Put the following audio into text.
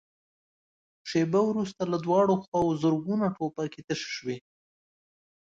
شېبه وروسته له دواړو خواوو زرګونه ټوپکې تشې شوې.